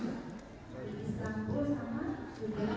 di istanbul sama juga